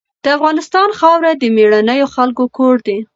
د افغانستان خاوره د مېړنیو خلکو کور دی.